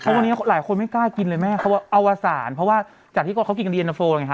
เพราะวันนี้หลายคนไม่กล้ากินเลยแม่เขาเอาอาสารเพราะว่าจากที่ก่อนเขากินกันเย็นเตอร์โฟล์ไงคะ